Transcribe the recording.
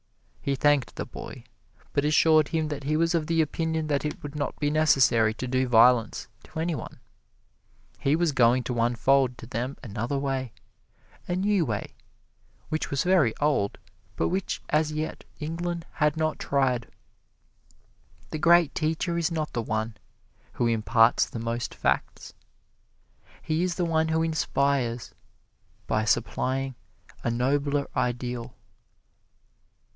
He thanked the boy, but assured him that he was of the opinion that it would not be necessary to do violence to any one; he was going to unfold to them another way a new way, which was very old, but which as yet England had not tried. The great teacher is not the one who imparts the most facts he is the one who inspires by supplying a nobler ideal.